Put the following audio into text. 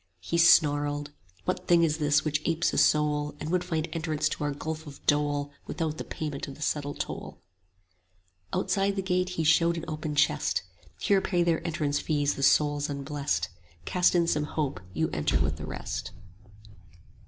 30 He snarled, What thing is this which apes a soul, And would find entrance to our gulf of dole Without the payment of the settled toll? Outside the gate he showed an open chest: Here pay their entrance fees the souls unblest; 35 Cast in some hope, you enter with the rest.